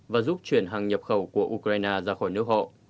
và giúp chuyển hàng nhập khẩu của ukraine ra khỏi nước họ